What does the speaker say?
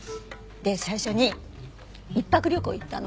最初に一泊旅行へ行ったの。